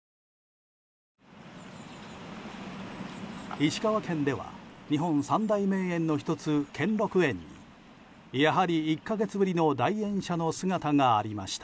石川県では日本三大名園の１つ兼六園にやはり１か月ぶりの来園者の姿がありました。